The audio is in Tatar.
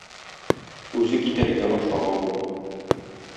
үзе китәргә ашыга бу.